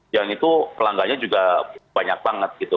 yang itu pelanggannya juga banyak banget gitu